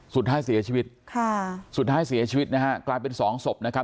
สุดท้ายเสียชีวิตค่ะสุดท้ายเสียชีวิตนะฮะกลายเป็นสองศพนะครับ